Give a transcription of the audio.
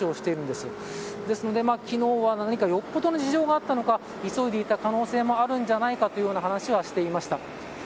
ですので昨日は何かよっぽどの事情があったのか急いでいた可能性もあるんじゃないかという話をしていました。